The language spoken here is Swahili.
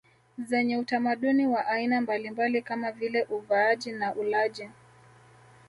zenye utamaduni wa aina mbalimbali kama vile uvaaji na ulaji